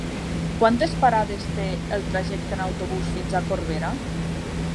Quantes parades té el trajecte en autobús fins a Corbera?